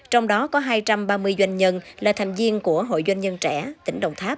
trong đó có hai trăm ba mươi doanh nhân là tham viên của hội doanh nhân trẻ tỉnh đồng tháp